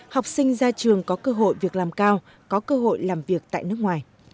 học sinh ra trường có cơ hội việc làm cao có cơ hội làm việc tại nước ngoài